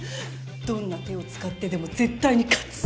どんな手を使ってでも絶対に勝つ！